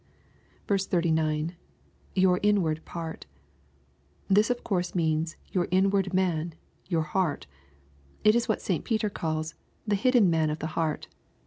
39. —[ Your inward part] This of course means your inward man — ^your heart." It is what St. Peter calls " the hidden man of the heart."